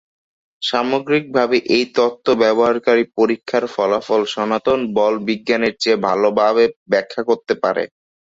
সামগ্রিকভাবে এই তত্ত্ব ব্যবহারিক পরীক্ষার ফলাফল সনাতন বলবিজ্ঞানের চেয়ে ভালোভাবে ব্যাখ্যা করতে পারে।